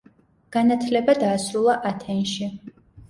განათლება დაასრულა ათენში.